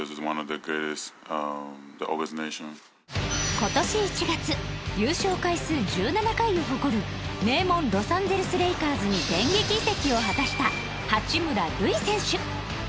今年１月優勝回数１７回を誇る名門ロサンゼルス・レイカーズに電撃移籍を果たした八村塁選手